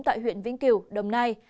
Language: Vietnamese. tại huyện vĩnh cửu đồng nai